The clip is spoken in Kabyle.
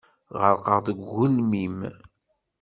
Ɣerqeɣ deg ugelmim.